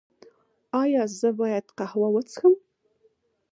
ایا زه باید قهوه وڅښم؟